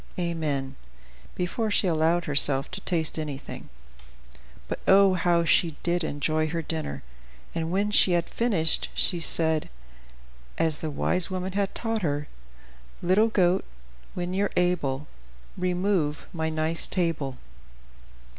Amen" before she allowed herself to taste anything. But oh, how she did enjoy her dinner! and when she had finished, she said, as the wise woman had taught her: "Little goat, when you're able, Remove my nice table."